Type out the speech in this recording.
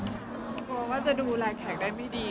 กลัวว่าจะดูแลแขกได้ไม่ดี